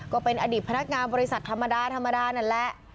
ก็เป็นอดีตพนักงานบริษัทธรรมดาธรรมดานั่นแหละ